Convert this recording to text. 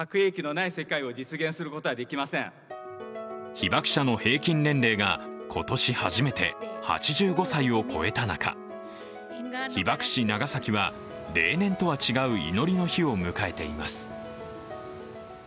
被爆者の平均年齢が今年初めて８５歳を超えた中被爆地・長崎は例年とは違う祈りの日を迎えています。